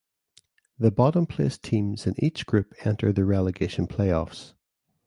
The bottom placed teams in each group enter the relegation playoffs.